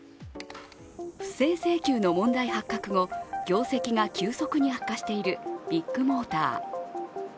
不正請求の問題発覚後業績が急速に悪化しているビッグモーター。